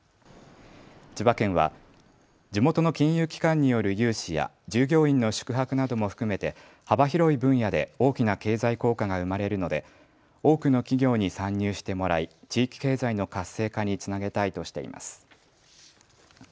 千葉県は地元の金融機関による融資や従業員の宿泊なども含めて幅広い分野で大きな経済効果が生まれるので多くの企業に参入してもらい地域経済の活性化につなげたいとしています。